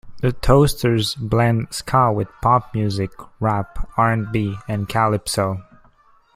The Toasters blend ska with pop music, rap, R and B, and calypso.